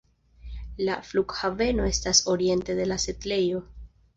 La flughaveno estas oriente de la setlejo.